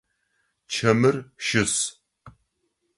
Чэмыр щыс.